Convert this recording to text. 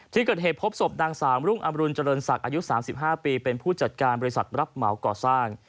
ที่เกิดเหตุพบศพนางสามรุ่งอำรุณเจริญศักดิ์อายุ๓๕ปีเป็นผู้จัดการบริษัทรับเหมาก่อสร้าง